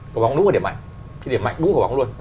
cái điểm mạnh đúng của bóng luôn